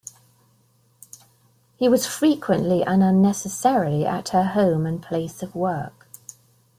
He was frequently, and unnecessarily, at her home and place of work.